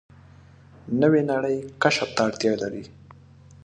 نوې نړۍ کشف ته اړتیا لري